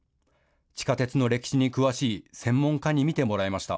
地下鉄の歴史に詳しい専門家に見てもらいました。